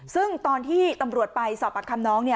ซึ่งตอนที่ตำรวจไปสอบปากคำน้อง